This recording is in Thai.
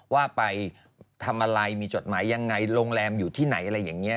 ว่าไปทำอะไรมีจดหมายยังไงโรงแรมอยู่ที่ไหนอะไรอย่างนี้